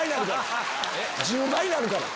１０倍になるから。